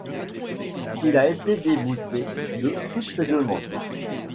Il a été débouté de toutes ses demandes.